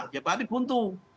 ya berarti buntu